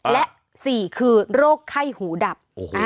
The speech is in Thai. และ๔คือโรคไข้หูดับ